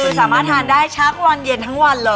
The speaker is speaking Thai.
คือสามารถทานได้ชักวันเย็นทั้งวันเลย